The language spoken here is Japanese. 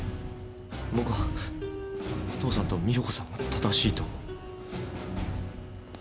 僕は父さんと美保子さんが正しいと思う。